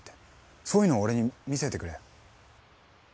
そういうのを俺に見せてくれよ。